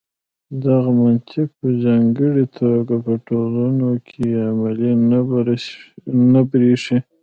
دغه منطق په ځانګړې توګه په ټولنو کې عملي نه برېښي.